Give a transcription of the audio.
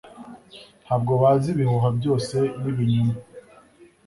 ntabwo bazi ibihuha byose nibinyoma